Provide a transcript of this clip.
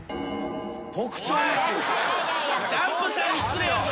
ダンプさんに失礼やぞ。